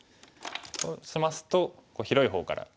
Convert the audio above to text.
そうしますと広い方から。